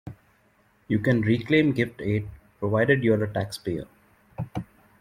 You can reclaim gift aid provided you are a taxpayer.